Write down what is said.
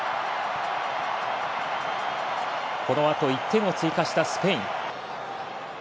このあと１点を追加したスペイン。